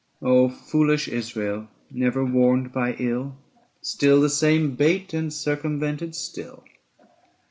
Oh foolish Israel! never warned by ill! Still the same bait, and circumvented still!